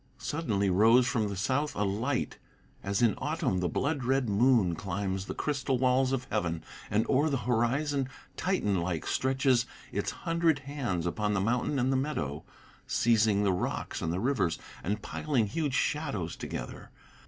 Suddenly rose from the south a light, as in autumn the blood red Moon climbs the crystal walls of heaven, and o'er the horizon Titan like stretches its hundred hands upon the mountain and meadow, Seizing the rocks and the rivers and piling huge shadows together.